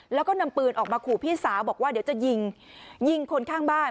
แล้วก็นำปืนออกมาขู่พี่สาวบอกว่าเดี๋ยวจะยิงยิงคนข้างบ้าน